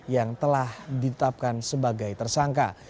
yang telah ditetapkan sebagai tersangka